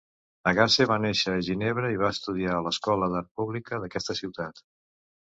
Agasse va néixer a Ginebra i va estudiar a l'escola d'art pública d'aquesta ciutat.